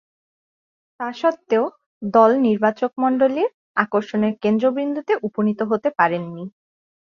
তাস্বত্ত্বেও দল নির্বাচকমণ্ডলীর আকর্ষণের কেন্দ্রবিন্দুতে উপনীত হতে পারেননি।